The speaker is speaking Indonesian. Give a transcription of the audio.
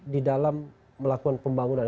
di dalam melakukan pembangunan